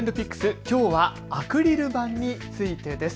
きょうはアクリル板についてです。